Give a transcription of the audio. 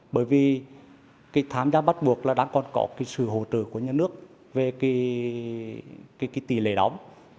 bởi vì cái tham gia bắt buộc là đang còn có cái sự hỗ trợ của nhà nước về cái tỷ lệ đóng